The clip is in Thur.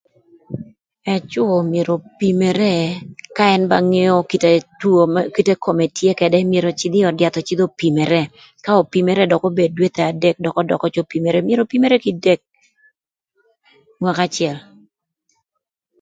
Ëwö myero opimere ka ën ba ngeo kite two kome tye ködë myero öcïdh öcïdh öd yath opimere ka opimere dök obed dwethe adek dök opimere, myero opimere kidek mwaka acël.